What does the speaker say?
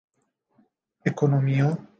ekonomio